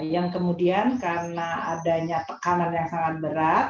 yang kemudian karena adanya tekanan yang sangat berat